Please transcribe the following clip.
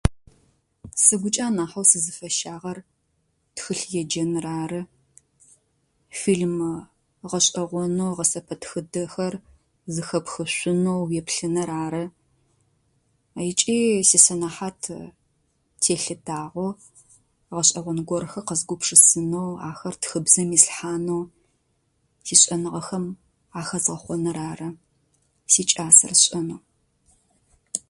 Сыгукӏэ анахьэу сызфэщагъэр тхылъ еджэныр ары. Фильм гъэшӏэгъонэу, гъэсэпэтхыдэхэр зыхэпхышъунэу, уеплъыныр ары. Ыкӏи си сэнэхьат телъытагъэу, гъэшӏэгъон горхэ къэсыгупшысэнэу. Ахэр тхыбзэм ислъхьанэу. Си шӏэныгъэхэм ахэзгъэхъоныр ары сикӏасэр сшӏэныр.